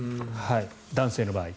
男性の場合。